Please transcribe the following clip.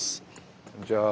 こんにちは。